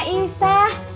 eh mbak isah